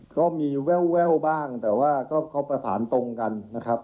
ก็ยังมีแวลวบ้างแต่ว่าก็พระภาษางานตรงกันนะครับ